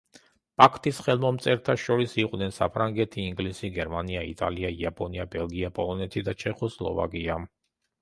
პაქტის ხელმომწერთა შორის იყვნენ საფრანგეთი, ინგლისი, გერმანია, იტალია, იაპონია, ბელგია, პოლონეთი და ჩეხოსლოვაკია.